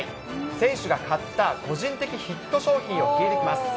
選手が買った個人的ヒット商品を聞いていきます。